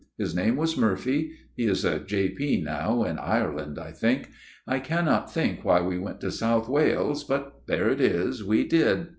His name was Murphy : he is a J.P. now, in MR. PERCIVAL'S TALE 289 Ireland, I think. I cannot think why we went to South Wales ; but there it is : we did.